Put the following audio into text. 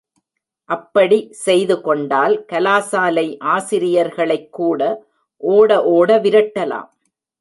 அப்படி செய்து கெண்டால் கலாசாலை ஆசிரியர்களைக் கூட ஓட ஓட விரட்டலாம்.